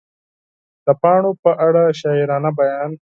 د پاڼو په اړه شاعرانه بیان